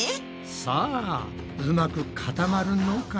さあうまく固まるのか？